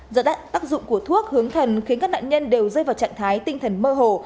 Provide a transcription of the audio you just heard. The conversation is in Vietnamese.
do tác dụng của thuốc hướng thần khiến các nạn nhân đều rơi vào trạng thái tinh thần mơ hồ